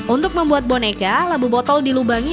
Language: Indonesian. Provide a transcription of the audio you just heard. untuk membuat boneka labu botol dilubangi